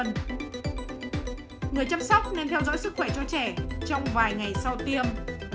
người chăm sóc nên theo dõi sức khỏe cho trẻ trong vài ngày sau tiêm